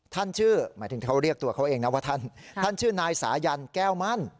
ชื่อหมายถึงเขาเรียกตัวเขาเองนะว่าท่านท่านชื่อนายสายันแก้วมั่น